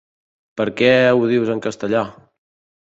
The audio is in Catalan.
Per què ho dius en castellà?